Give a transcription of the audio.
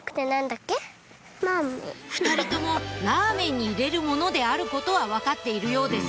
２人ともラーメンに入れるものであることは分かっているようです